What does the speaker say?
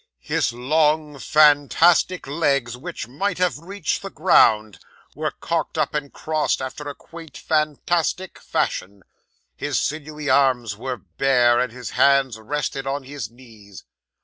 His long, fantastic legs which might have reached the ground, were cocked up, and crossed after a quaint, fantastic fashion; his sinewy arms were bare; and his hands rested on his knees.